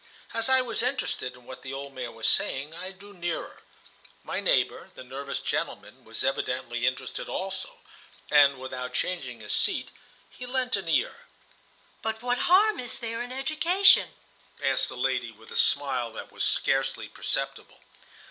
As I was interested in what the old man was saying, I drew nearer. My neighbor, the nervous gentleman, was evidently interested also, and, without changing his seat, he lent an ear. "But what harm is there in education?" asked the lady, with a smile that was scarcely perceptible.